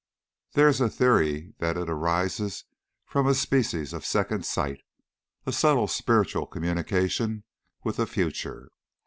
There is a theory that it arises from a species of second sight, a subtle spiritual communication with the future.